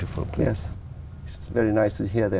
cũng như việc sản phẩm